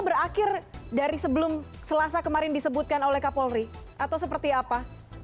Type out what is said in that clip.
berakhir dari sebelum selasa kemarin disebutkan oleh kapolri atau seperti apa